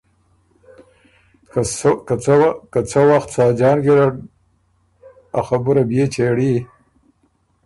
که څه وخت ساجان ګیرډ ا خبُره بيې چېړی۔